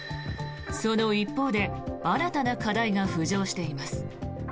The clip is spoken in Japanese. その一方で新たな課題が浮上しています。